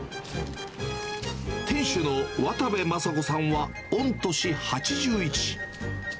店主の渡部マサ子さんは、御年８１。